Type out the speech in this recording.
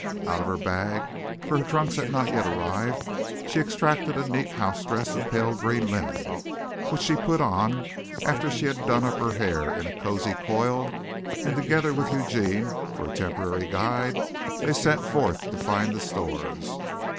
Out of her bag (for her trunks had not yet arrived) she extracted a neat house dress of pale green linen which she put on after she had done up her hair in a cosy coil, and together with Eugene for a temporary guide, they set forth to find the stores.